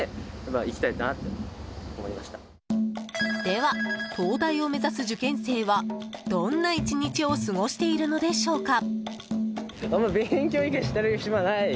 では、東大を目指す受験生はどんな１日を過ごしているのでしょうか。